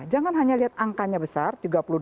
jangan hanya lihat angkanya besar tiga puluh dua